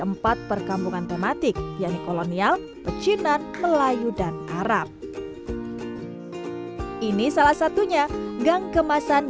empat perkampungan tematik yaitu kolonial pecinan melayu dan arab ini salah satunya gang kemasan